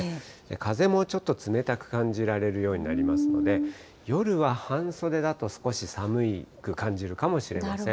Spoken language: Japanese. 風もちょっと冷たく感じられるようになりますので、夜は半袖だと少し寒く感じるかもしれません。